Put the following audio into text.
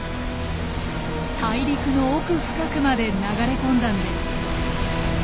大陸の奥深くまで流れ込んだんです。